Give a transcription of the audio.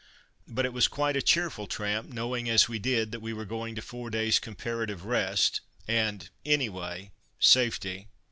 But it was quite a cheerful tramp, knowing as we did that we were going to four days' comparative rest, and, anyway, safety.